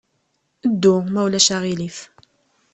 Ddu, ma ulac aɣilif!